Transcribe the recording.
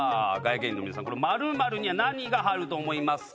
芸人の皆さん丸々には何が入ると思いますか？